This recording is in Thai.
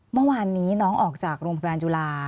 เมื่อวานนี้น้องออกจากโรงพยาบาลจุฬา